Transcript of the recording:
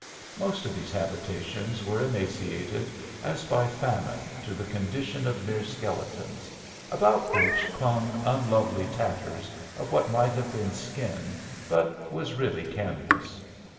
Most of these habitations were emaciated as by famine to the condition of mere skeletons, about which clung unlovely tatters of what might have been skin, but was really canvas.